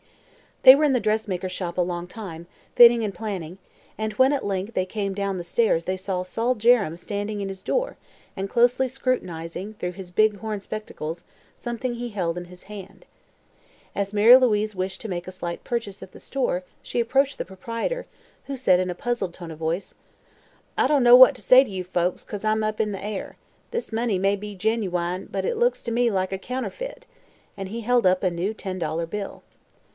They were in the dressmaker's shop a long time, fitting and planning, and when at length they came down the stairs they saw Sol Jerrems standing in his door and closely scrutinizing through his big horn spectacles something he held in his hand. As Mary Louise wished to make a slight purchase at the store she approached the proprietor, who said in a puzzled tone of voice: "I dunno what t' say to you folks, 'cause I'm up in the air. This money may be genooine, but it looks to me like a counterfeit," and he held up a new ten dollar bill.